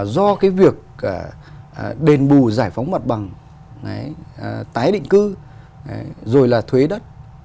do cái việc đền bù giải phóng mặt bằng tái định cư rồi là thuế đất